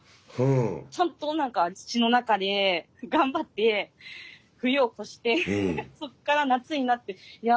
ちゃんと何か土の中で頑張って冬を越してそこから夏になっていや